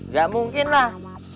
gak mungkin lah